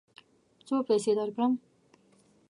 څو پیسې درکړم؟